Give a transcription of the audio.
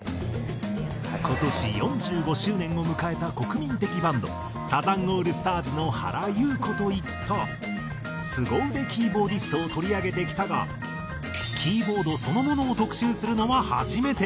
今年４５周年を迎えた国民的バンドサザンオールスターズの原由子といったスゴ腕キーボーディストを取り上げてきたがキーボードそのものを特集するのは初めて。